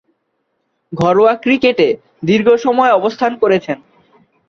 ঘরোয়া ক্রিকেটে দীর্ঘসময় অবস্থান করেছেন।